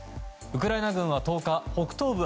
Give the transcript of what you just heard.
ウクライナ軍は１０日北東部